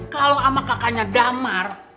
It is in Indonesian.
kalau sama kakaknya damar